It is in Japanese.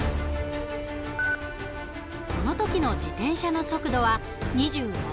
この時の自転車の速度は２７ｋｍ。